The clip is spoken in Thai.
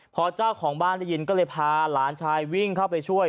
พอเจ้าของบ้านได้ยินก็เลยพาหลานชายวิ่งเข้าไปช่วย